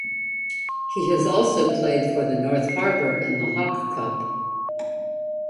He has also played for the North Harbour in the Hawke Cup.